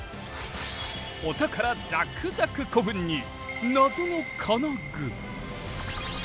お宝ザクザク古墳に謎の金具！？